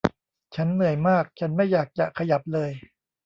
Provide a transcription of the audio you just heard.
ฉันเหนื่อยมากฉันไม่อยากจะขยับเลย